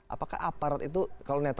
apakah aparat itu kalau netral